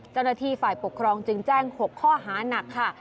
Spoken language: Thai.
เจ้าหน้าที่ฝ่ายปกครองจึงแจ้ง๖ข้อหานักค่ะ